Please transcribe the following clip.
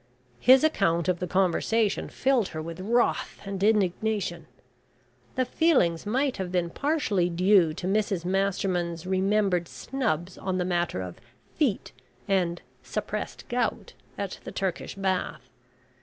His account of the conversation filled her with wrath and indignation. The feelings might have been partially due to Mrs Masterman's remembered snubs on the matter of "feet," and "suppressed gout," at the Turkish Bath.